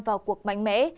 vào cuộc mạnh mẽ